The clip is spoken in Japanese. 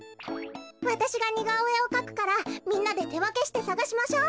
わたしがにがおえをかくからみんなでてわけしてさがしましょう。